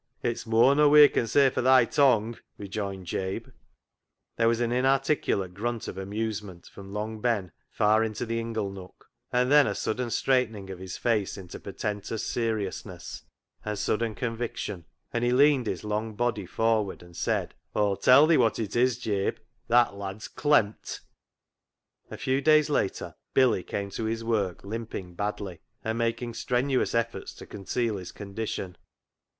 " It's moar nor we can say for thy tongue," rejoined Jabe. There was an inarticulate grunt of amuse ment from Long Ben far into the ingle nook, and then a sudden straightening of his face into portentous seriousness and sudden con viction, and he leaned his long body forward and said —" Aw'll tell thi wot it is, Jabe, that lad's clemm't." A few days later Billy came to his work limping badly, and making strenuous efforts to conceal his condition.